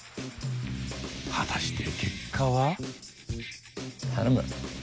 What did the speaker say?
果たして結果は？